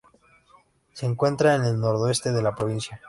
Se encuentra en el noroeste de la provincia.